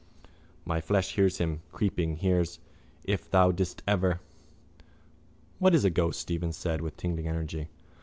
My flesh hears him: creeping, hears. If thou didst ever... —What is a ghost? Stephen said with tingling energy.